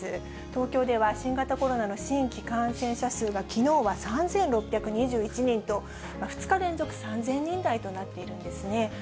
東京では新型コロナの新規感染者数がきのうは３６２１人と、２日連続３０００人台となっているんですね。